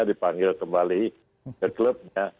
dipanggil kembali ke klubnya